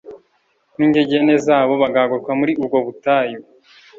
n ingegene zabo bahaguruka muri ubwo butayu